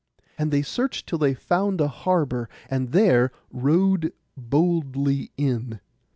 And they searched till they found a harbour, and there rowed boldly in.